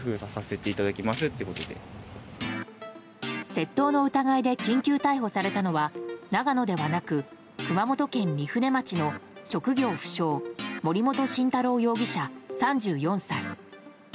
窃盗の疑いで緊急逮捕されたのは長野ではなく熊本県御船町の職業不詳森本晋太郎容疑者、３４歳。